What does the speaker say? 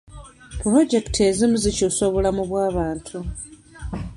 Pulojekiti ezimu zikyusa obulamu bw'abantu.